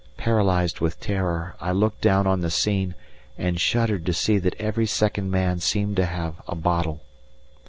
Paralysed with terror, I looked down on the scene, and shuddered to see that every second man seemed to have a bottle.